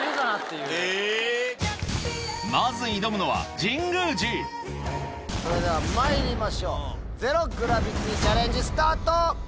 まずそれではまいりましょうゼロ・グラビティチャレンジスタート！